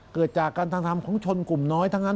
เกิดจากการกระทำของชนกลุ่มน้อยทั้งนั้น